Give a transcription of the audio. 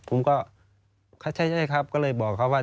ผมก็ใช่ครับก็เลยบอกเขาว่า